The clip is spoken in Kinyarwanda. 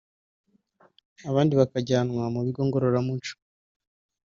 abandi bakajyanwa mu bigo ngororamuco